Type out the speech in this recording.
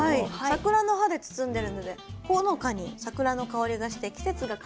桜の葉で包んでるのでほのかに桜の香りがして季節が感じられるチーズです。